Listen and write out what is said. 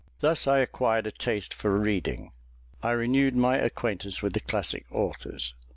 Thus I acquired a taste for reading. I renewed my acquaintance with the classic authors.